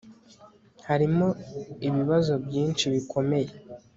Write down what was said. harimo ibibazo byinshi ibikomeye